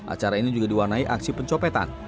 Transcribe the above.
acara ini juga diwarnai aksi pencopetan